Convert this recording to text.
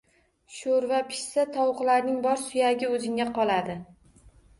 Sho‘rva pishsa, tovuqlarning bor suyagi o‘zingga qoladi